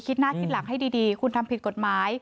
หน้าคิดหลังให้ดีคุณทำผิดกฎหมาย